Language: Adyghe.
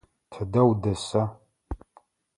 Тыдэ удэса?